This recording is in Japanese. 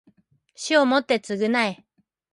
死をもって償え